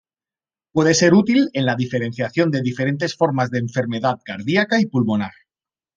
Puede ser útil en la diferenciación de diferentes formas de enfermedad cardíaca y pulmonar.